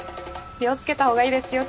気を付けたほうがいいですよ